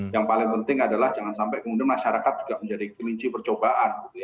yang paling penting adalah jangan sampai kemudian masyarakat juga menjadi keminci percobaan